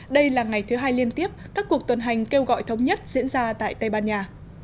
đây là ngày thứ hai liên tiếp các cuộc tuần hành kêu gọi thống nhất diễn ra tại tây ban nha